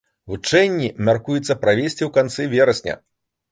Вучэнні мяркуецца правесці ў канцы верасня.